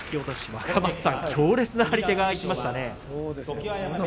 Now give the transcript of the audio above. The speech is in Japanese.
若松さん、強烈な張り手がきましたね。